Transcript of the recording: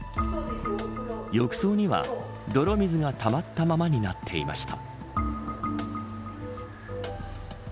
浴槽には、泥水がたまったままになっていました。